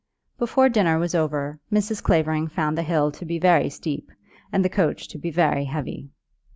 Before dinner was over Mrs. Clavering found the hill to be very steep, and the coach to be very heavy.